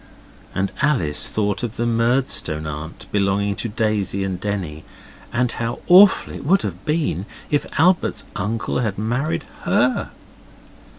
And Alice thought of the Murdstone aunt belonging to Daisy and Denny, and how awful it would have been if Albert's uncle had married HER.